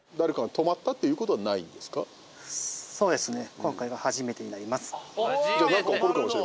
そうですね。